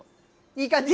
いい感じ？